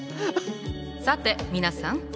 さて皆さん。